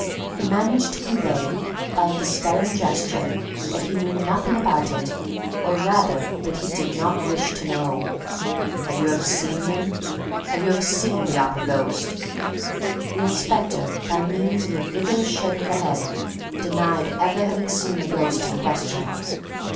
He managed to convey, by a despairing gesture, that he knew nothing about it, or rather that he did not wish to know. "Have you ever seen him, have you seen the Opera ghost?" The inspector, by means of a vigorous shake of the head, denied ever having seen the ghost in question.